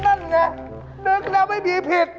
นั่นไงนึกแล้วไม่มีผิด